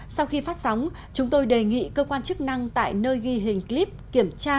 sau khi phát sóng chúng tôi đề nghị cơ quan chức năng tại nơi ghi hình clip kiểm tra